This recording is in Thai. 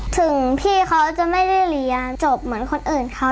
ถึงพี่เขาจะไม่ได้เรียนจบเหมือนคนอื่นเขา